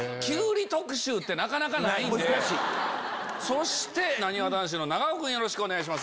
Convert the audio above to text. そしてなにわ男子の長尾君よろしくお願いします。